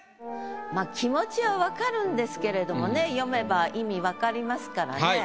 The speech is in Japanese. まあ気持ちは分かるんですけれどもね読めば意味分かりますからね。